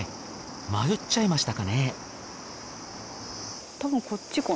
迷っちゃいましたかね？